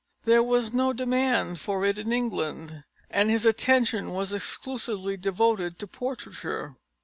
There was no demand for it in England, and his attention was exclusively devoted to portraiture.